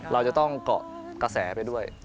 เราจะต้องเกาะกระแสไปด้วย